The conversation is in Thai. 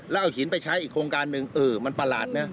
แล้วเอาหินไปใช้อีกโครงการหนึ่งเออมันประหลาดนะ